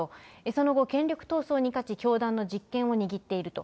その後、権力闘争に勝ち、教団の実権を握っていると。